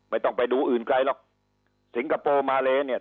ไม่ต้องไปดูอื่นไกลหรอกสิงคโปร์มาเลเนี่ย